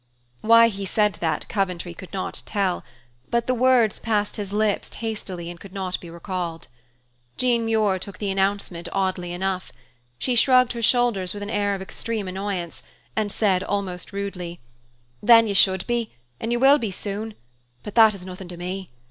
Why he said that, Coventry could not tell, but the words passed his lips hastily and could not be recalled. Jean Muir took the announcement oddly enough. She shrugged her shoulders with an air of extreme annoyance, and said almost rudely, "Then you should be; you will be soon. But that is nothing to me.